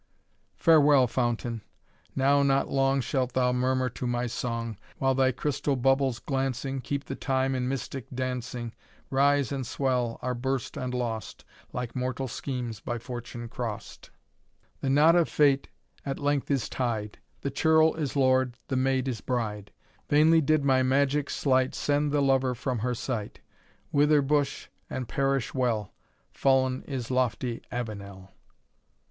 "Farewell, Fountain! now not long Shalt thou murmur to my song, While thy crystal bubbles glancing, Keep the time in mystic dancing, Rise and swell, are burst and lost, Like mortal schemes by fortune crost. "The knot of fate at length is tied, The Churl is Lord, the Maid is bride. Vainly did my magic sleight Send the lover from her sight; Wither bush, and perish well, Fall'n is lofty Avenel!"